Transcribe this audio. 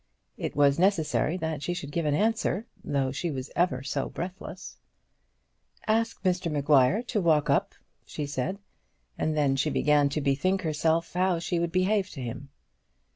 It was necessary that she should give an answer, though she was ever so breathless. "Ask Mr Maguire to walk up," she said; and then she began to bethink herself how she would behave to him.